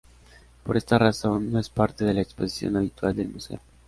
Por esta razón no es parte de la exposición habitual del museo.